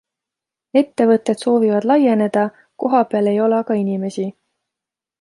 Ettevõtted soovivad laieneda, kohapeal ei ole aga inimesi.